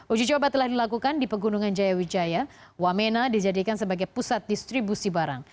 uji coba telah dilakukan di pegunungan jaya wijaya wamena dijadikan sebagai pusat distribusi barang